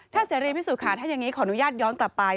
เสรีพิสุทค่ะถ้าอย่างนี้ขออนุญาตย้อนกลับไป